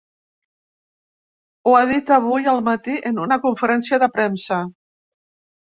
Ho ha dit avui al matí en una conferència de premsa.